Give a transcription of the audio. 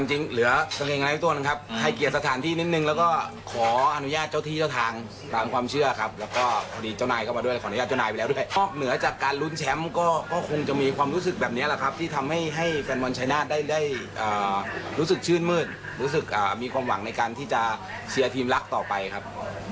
รู้สึกชื่นมืดรู้สึกมีความหวังในการที่จะเชียร์ทีมรักต่อไปครับ